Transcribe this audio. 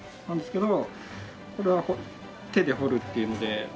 なんですけどこれは手で彫るっていうので。